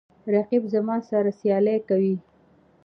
رقیب زما سره سیالي کوي